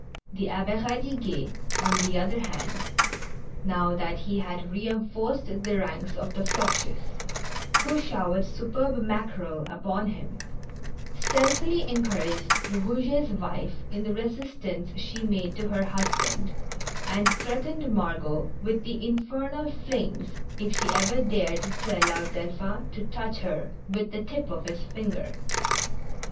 The Abbe Radiguet, on the other hand, now that he had reinforced the ranks of the Floches (who showered superb mackerel upon him), stealthily encouraged Eouget's wife in the resistance she made to her husband, and threatened Margot with the infernal flames if she ever dared to allow Delphin to touch her with the tip of his finger.